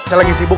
saya lagi sibuk